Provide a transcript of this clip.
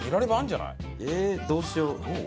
ええどうしよう？